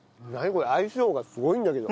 これ相性がすごいんだけど。